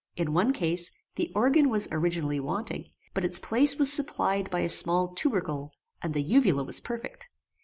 In one case, the organ was originally wanting, but its place was supplied by a small tubercle, and the uvula was perfect.